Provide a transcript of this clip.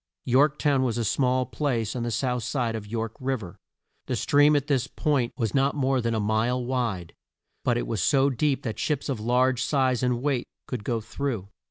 York town was a small place on the south side of York Riv er. The stream at this point was not more than a mile wide, but it was so deep that ships of large size and weight could go through.